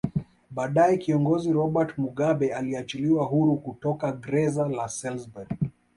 Baadae Kiongozi Robert Mugabe aliachiliwa huru kutoka greza la Salisbury